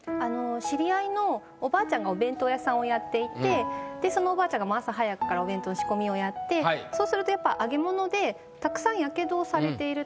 知り合いのおばあちゃんがお弁当屋さんをやっていてでそのおばあちゃんが朝早くからお弁当の仕込みをやってそうするとやっぱ揚げ物でたくさん火傷をされていると。